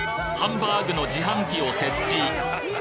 ハンバーグの自販機を設置